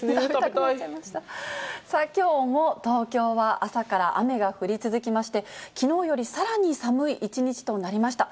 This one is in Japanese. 羨ましかったですね、食べたきょうも東京は朝から雨が降り続きまして、きのうよりさらに寒い一日となりました。